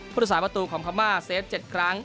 ผู้ที่สายประตูของคำม่าเซฟ๗ครั้ง